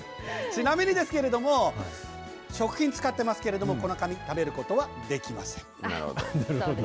ちなみにですけれども、食品使ってますけれども、この紙、食なるほど。